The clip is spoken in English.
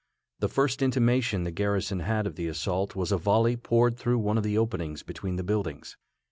The first intimation the garrison had of the assault was a volley poured through one of the openings between the buildings.